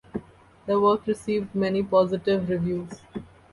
The work received many positive reviews.